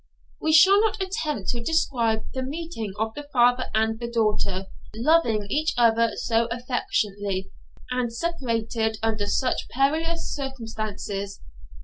We shall not attempt to describe the meeting of the father and daughter, loving each other so affectionately, and separated under such perilous circumstances.